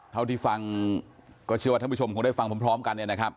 เท่าที่ฟังก็เชื่อว่าท่านผู้ชมคงได้ฟังพร้อมกันเนี่ยนะครับ